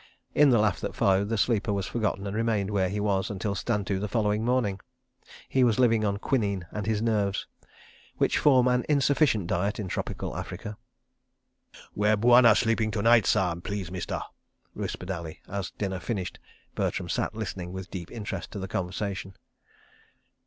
In the laugh that followed, the sleeper was forgotten and remained where he was until Stand to the following morning. He was living on quinine and his nerves—which form an insufficient diet in tropical Africa. "Where Bwana sleeping to night, sah, please Mister?" whispered Ali, as, dinner finished, Bertram sat listening with deep interest to the conversation.